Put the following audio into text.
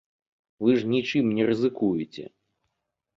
Вы ж нічым не рызыкуеце.